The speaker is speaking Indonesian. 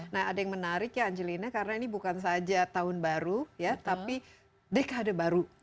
nah ada yang menarik ya angelina karena ini bukan saja tahun baru ya tapi dekade baru